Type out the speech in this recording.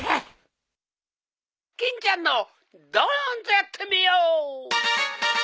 『欽ちゃんのドンとやってみよう！』